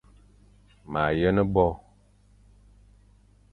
Ma yen bo ;